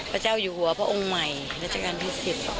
พระเจ้าอยู่หัวพระองค์ใหม่รัชกาลที่๑๐